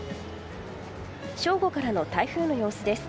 正午からの台風の様子です。